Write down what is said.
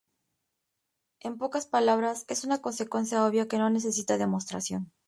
En pocas palabras, es una consecuencia obvia que no necesita demostración.